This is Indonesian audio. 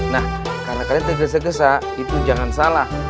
nah karena kalian tergesa gesa itu jangan salah